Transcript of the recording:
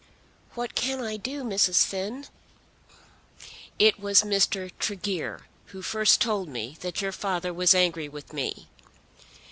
"What can I do, Mrs. Finn?" "It was Mr. Tregear who first told me that your father was angry with me.